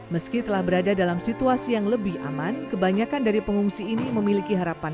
meski telah berada dalam situasi yang lebih aman kebanyakan dari pengungsi ini memiliki harapan